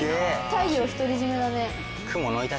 太陽独り占めだね。